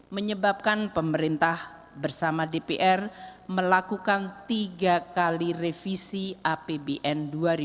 menyebabkan pemerintah bersama dpr melakukan tiga kali revisi apbn dua ribu dua puluh